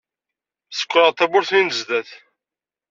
Sekkṛeɣ-d tawwurt-nni n zzat.